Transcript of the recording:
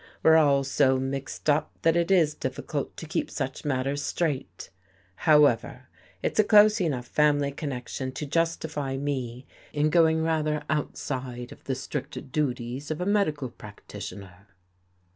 We're all so mixed up that it is difficult to keep such matters straight. However, it's a close enough family connection to justify me in going rather out 54 THE JADE EARRING side of the strict duties of a medical practitioner."